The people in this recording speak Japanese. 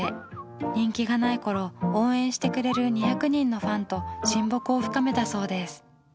人気がない頃応援してくれる２００人のファンと親睦を深めたそうです。